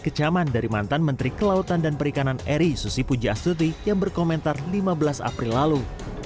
kecaman dari mantan menteri kelautan dan perikanan eri susi pujiastuti yang berkomentar lima belas april lalu